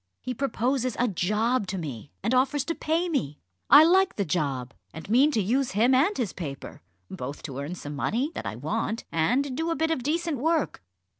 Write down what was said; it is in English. He proposes a job to me, and offers to pay me. I like the job, and mean to use him and his paper, both to earn some money that I want, and do a bit of decent work."